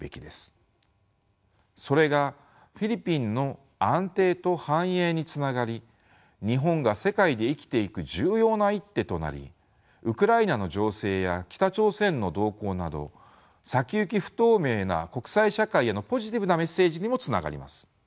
それがフィリピンの安定と繁栄につながり日本が世界で生きていく重要な一手となりウクライナの情勢や北朝鮮の動向など先行き不透明な国際社会へのポジティブなメッセージにもつながります。